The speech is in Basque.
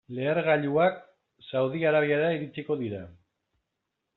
Lehergailuak Saudi Arabiara iritsiko dira.